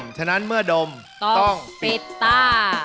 ต้องดมฉะนั้นเมื่อดมต้องปิดตา